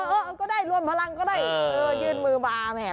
เออก็ได้รวมพลังก็ได้เออยื่นมือมาแหม